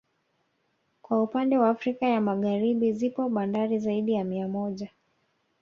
Kwa upannde wa Afrika ya Magharibi zipo bandari zaidi ya mia moja